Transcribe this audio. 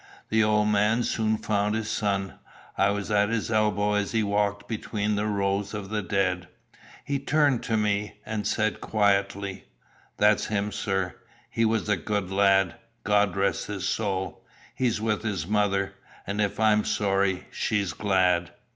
The old man soon found his son. I was at his elbow as he walked between the rows of the dead. He turned to me and said quietly "That's him, sir. He was a good lad. God rest his soul. He's with his mother; and if I'm sorry, she's glad."